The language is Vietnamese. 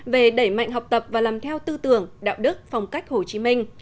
về đẩy mạnh học tập và làm theo tư tưởng đạo đức phong cách hồ chí minh